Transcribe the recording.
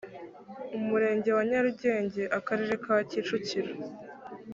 umurenge wa nyarugenge mu karere ka kicukiro